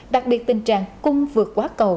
đặc biệt tình trạng cung vượt quá cầu